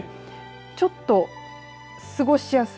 ちょっと過ごしやすい。